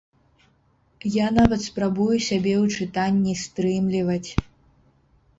Я нават спрабую сябе ў чытанні стрымліваць.